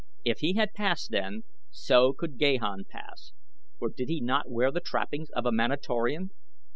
If he had passed then, so could Gahan pass, for did he not wear the trappings of a Manatorian?